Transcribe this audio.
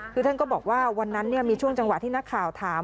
คือท่านก็บอกว่าวันนั้นมีช่วงจังหวะที่นักข่าวถาม